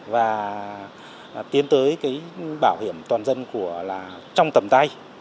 và tiến tới cái bảo hiểm toàn dân của là trong tầm tay